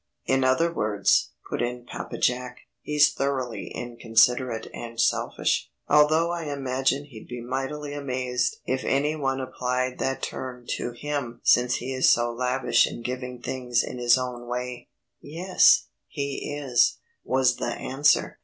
"In other words," put in Papa Jack, "he's thoroughly inconsiderate and selfish, although I imagine he'd be mightily amazed if any one applied that term to him since he is so lavish in giving things in his own way." "Yes, he is," was the answer.